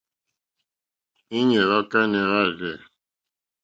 Íɲá hwá kánɛ̀ hwârzɛ̂.